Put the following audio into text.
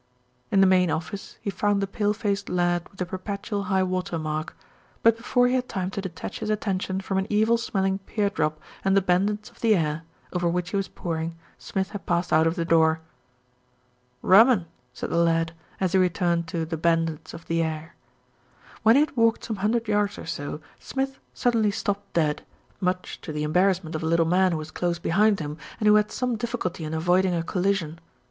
In the main office, he found the pale faced lad with the perpetual high water mark; but before he had time to detach his attention from an evil smelling pear drop and The Bandits of the Air, over which he was poring, Smith had passed out of the door. "Rum un," said the lad, as he returned to The Ban dits of the Air. When he had walked some hundred yards or so, Smith suddenly stopped dead, much to the embarrass 160 THE RETURN OF ALFRED ment of a little man who was close behind him, and who had some difficulty in avoiding a collision.